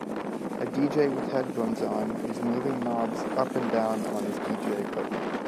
A dj with headphones on is moving knobs up and down on his dj equipment.